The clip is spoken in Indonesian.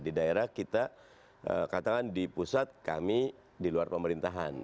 di daerah kita katakan di pusat kami di luar pemerintahan